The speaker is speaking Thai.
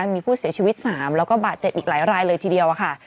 มีผู้เสียชีวิต๓แล้วก็บาดเจ็บอีกหลายรายเลยทีเดียวค่ะ